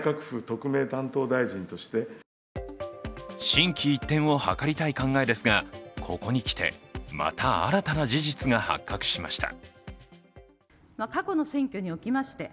心機一転を図りたい考えですが、ここにきて、また新たな事実が発覚しました。